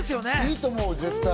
いいと思う、絶対。